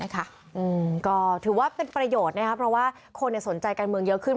ก็ถือว่าเป็นประโยชน์นะครับเพราะว่าคนสนใจการเมืองเยอะขึ้น